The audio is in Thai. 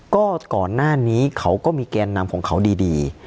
ก็ก่อนหน้านี้เขาก็มีแกนนำของเขาดี